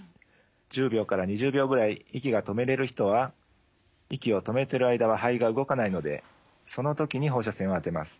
１０秒から２０秒ぐらい息が止めれる人は息を止めてる間は肺が動かないのでその時に放射線を当てます。